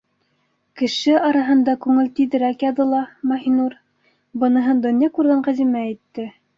Кеше араһында күңел тиҙерәк яҙыла, Маһинур, - быныһын донъя күргән Ғәзимә әйтте.